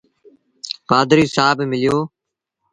پڌريٚ سآب مليو۔